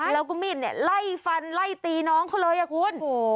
แล้วก็มีดเนี่ยไล่ฟันไล่ตีน้องเขาเลยอ่ะคุณ